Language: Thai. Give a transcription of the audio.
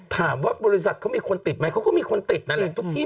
ถามว่าบริษัทเขามีคนติดไหมเขาก็มีคนติดนั่นแหละ